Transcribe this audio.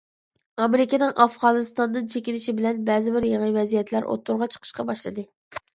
ئامېرىكىنىڭ ئافغانىستاندىن چېكىنىشى بىلەن بەزىبىر يېڭى ۋەزىيەتلەر ئوتتۇرىغا چىقىشقا باشلىدى.